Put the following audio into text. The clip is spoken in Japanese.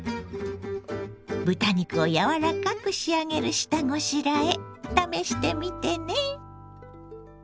豚肉を柔らかく仕上げる下ごしらえ試してみてね。